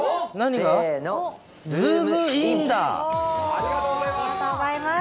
せーの、ありがとうございます。